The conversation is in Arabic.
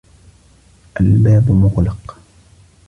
الباب مغلق.